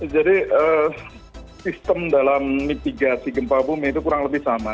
jadi sistem dalam mitigasi gempa bumi itu kurang lebih sama